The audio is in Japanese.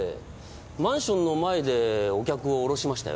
マンションの前でお客を降ろしましたよ。